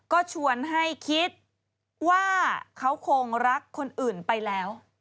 ก็ชวนให้คิดว่าเขาคงรักคนอื่นไปแล้ว